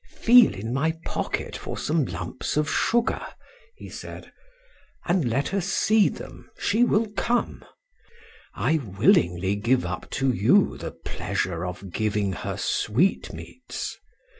"Feel in my pocket for some lumps of sugar," he said, "and let her see them, she will come; I willingly give up to you the pleasure of giving her sweetmeats.